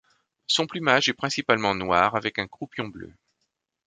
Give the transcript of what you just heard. Son plumage est principalement noir avec un croupion bleu.